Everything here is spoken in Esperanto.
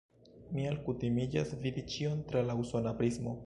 Mi alkutimiĝas vidi ĉion tra la usona prismo.